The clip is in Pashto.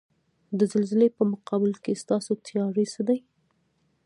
د زلزلې په مقابل کې ستاسو تیاری څه دی؟